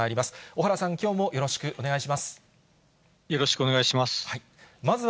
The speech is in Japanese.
小原さん、きょうもよろしくお願いします。